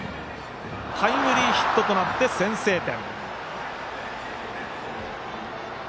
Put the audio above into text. タイムリーヒットとなって先制点。